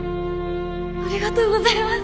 ありがとうございます。